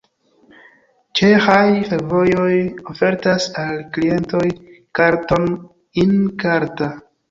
Ĉeĥaj fervojoj ofertas al klientoj karton In-karta.